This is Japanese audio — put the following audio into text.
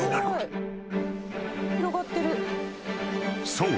［そう。